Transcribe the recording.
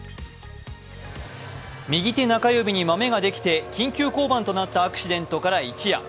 右手中指にマメができて緊急降板となったアクシデントから一夜。